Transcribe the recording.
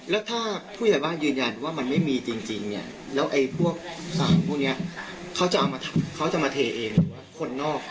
แล้วถ้าผู้ใหญ่บ้านยืนยันว่ามันไม่มีจริงเนี่ยแล้วไอ้พวกสารพวกนี้เขาจะเอามาทำเขาจะมาเทเองหรือว่าคนนอก